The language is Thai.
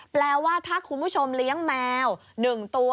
แปลว่าถ้าคุณผู้ชมเลี้ยงแมว๑ตัว